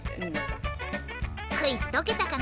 クイズとけたかな？